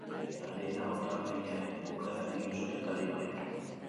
Larriena urtarrilaren bukaeran egin zuten talibanek.